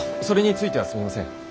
それについてはすみません。